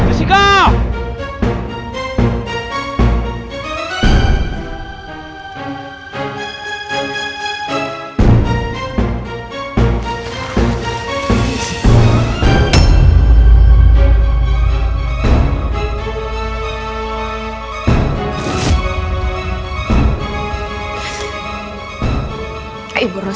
oke pak hartawan